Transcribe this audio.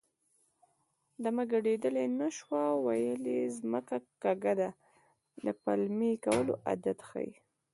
ډمه ګډېدلی نه شوه ویل یې ځمکه کږه ده د پلمې کولو عادت ښيي